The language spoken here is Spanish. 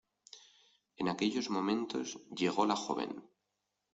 En aquellos momentos llegó la joven.